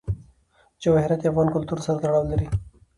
جواهرات د افغان کلتور سره تړاو لري.